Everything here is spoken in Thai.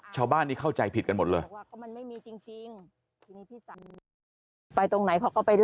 ชาวบ้านนี้เข้าใจผิดกันหมดเลย